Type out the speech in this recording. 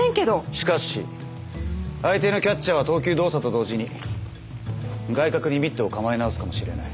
しかし相手のキャッチャーは投球動作と同時に外角にミットを構え直すかもしれない。